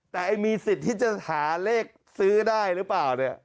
แต่ไอ้มีสิทธิ์ที่จะหาเลขซื้อได้หรือเปล่าเนี่ย